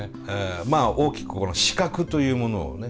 まあ大きく資格というものをね。